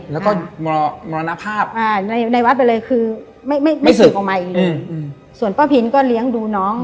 มันก็มรณภาพอ่าในในวัดไปเลยคือไม่ไม่สืบไม่ออกมาอีกเลยอืมส่วนพ้อผินก็เลี้ยงดูน้อง